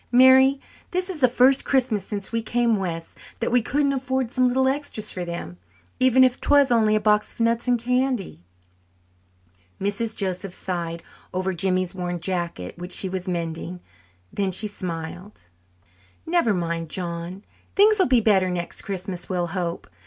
Mary, this is the first Christmas since we came west that we couldn't afford some little extras for them, even if 'twas only a box of nuts and candy." Mrs. Joseph sighed over Jimmy's worn jacket which she was mending. Then she smiled. "Never mind, John. Things will be better next Christmas, we'll hope.